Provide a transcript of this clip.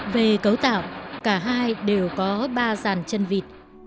về cấu tạo cả hai đều có ba dàn chân vịt